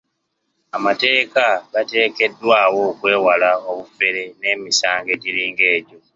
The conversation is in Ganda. Amateeka gateekeddwawo okwewala obufere n'emisango egiringa egyo.